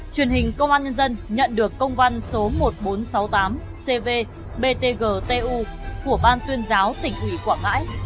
truyền hình công an nhân dân nhận được công văn số một nghìn bốn trăm sáu mươi tám cv btgu của ban tuyên giáo tỉnh ủy quảng ngãi